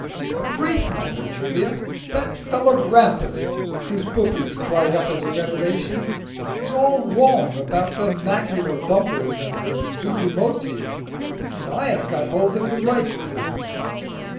"A great matter, Julia. That fellow Grampus, whose book is cried up as a revelation, is all wrong about the Magicodumbras and the Zuzumotzis, and I have got hold of the right clue."